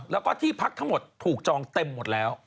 แล้วก็ที่พักทั้งหมดถูกจองเต็มหมดแล้ว